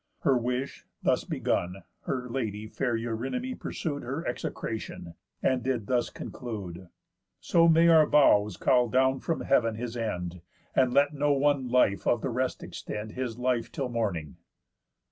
Her wish, thus begun, Her lady, fair Eurynome, pursued Her execration, and did thus conclude: "So may our vows call down from heav'n his end, And let no one life of the rest extend His life till morning."